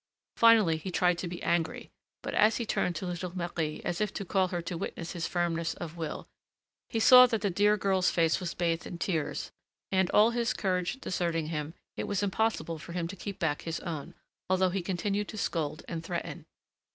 Finally, he tried to be angry; but as he turned to little Marie, as if to call her to witness his firmness of will, he saw that the dear girl's face was bathed in tears, and, all his courage deserting him, it was impossible for him to keep back his own, although he continued to scold and threaten.